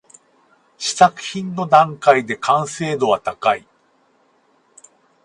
試作品の段階で完成度は高い